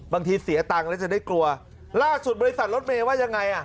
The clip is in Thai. เสียตังค์แล้วจะได้กลัวล่าสุดบริษัทรถเมย์ว่ายังไงอ่ะ